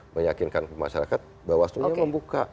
menyakinkan masyarakat bawaslu yang membuka